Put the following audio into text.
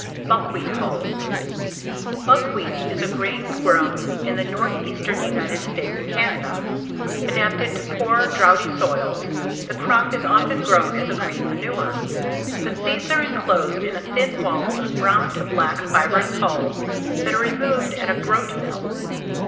Buckwheat hulls. Buckwheat is a grain grown in the northeastern United States and Canada. Adapted to poor, droughty soils, the crop is often grown as a green manure. The seeds are enclosed in a thin walled, brown to black fibrous hulls that are removed at a groat mill.